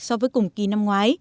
so với cùng kỳ năm ngoái